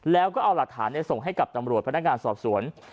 แล้วก็เอาหลักฐานส่งให้กับตำรวจพนักงานสอบสวน